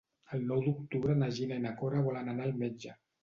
El nou d'octubre na Gina i na Cora volen anar al metge.